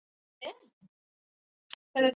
مخکنۍ قوه یې له لاهور څخه شل کروهه لیري ده.